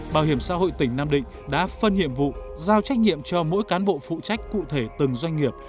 bảo hiểm xã hội tỉnh nam định đã phân nhiệm vụ giao trách nhiệm cho mỗi cán bộ phụ trách cụ thể từng doanh nghiệp